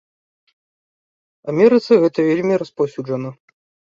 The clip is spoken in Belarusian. Амерыцы гэта вельмі распаўсюджана.